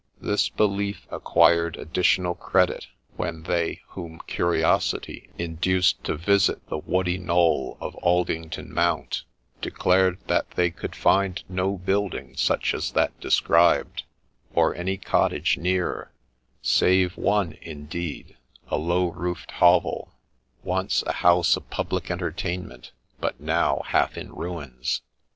This belief acquired additional credit when they, whom curiosity induced to visit the woody knoll of Aldington Mount, declared that they could find no building such as that described, nor any cottage near ; save one, indeed, a low roofed hovel, once a house of public entertainment, but now half in ruins.